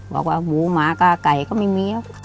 บอกว่าหมูหมากล้าก๋วยก็ไม่มี